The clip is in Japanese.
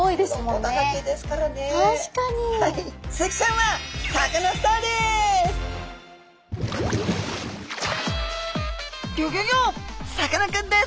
さかなクンです。